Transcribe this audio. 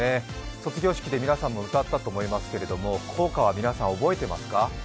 卒業式で皆さんも歌ったと思いますけども皆さん、校歌覚えてますか？